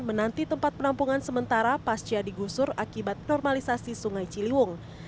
menanti tempat penampungan sementara pasca digusur akibat normalisasi sungai ciliwung